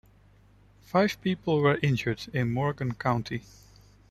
Five people were injured in Morgan County.